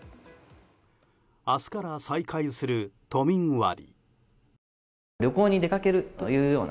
明日から再開する都民割。